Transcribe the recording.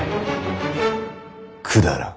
くだらん。